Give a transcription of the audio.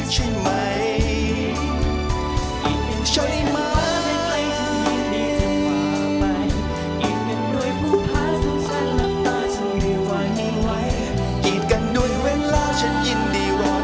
ใช่ไหมใช่ไหม